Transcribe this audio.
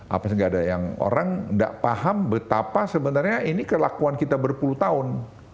apa sih nggak ada yang orang nggak paham betapa sebenarnya ini kelakuan kita berpuluh tahun